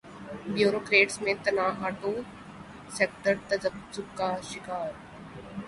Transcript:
bureaucrats میں تنا auto sector تذبذب کا شکار